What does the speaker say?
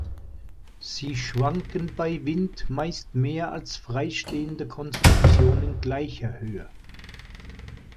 Sie schwanken bei Wind meist mehr als freistehende Konstruktionen gleicher Höhe.